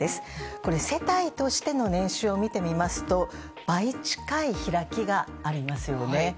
これ、世帯としての年収を見てみますと、倍近い開きがありますよね。